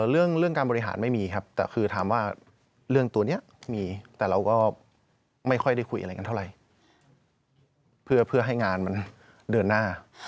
เรื่องการบริหารไม่มีครับแต่คือถามว่าเรื่องตัวนี้มีแต่เราก็ไม่ค่อยได้คุยอะไรกันเท่าไหร่เพื่อให้งานมันเดินหน้า